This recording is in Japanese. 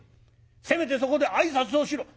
せめてそこで挨拶をしろ。